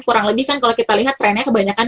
kurang lebih kan kalau kita lihat trennya kebanyakan